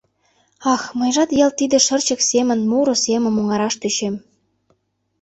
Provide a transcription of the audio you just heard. Ах, мыйжат ялт тиде шырчык семын муро семым оҥараш тӧчем.